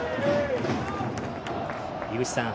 井口さん